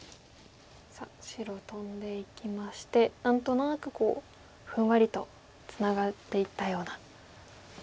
さあ白トンでいきまして何となくこうふんわりとツナがっていったような感じですね。